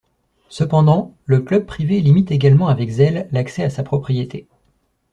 Cependant, le club privé limite également avec zèle l'accès à sa propriété.